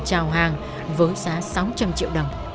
trào hàng với giá sáu trăm linh triệu đồng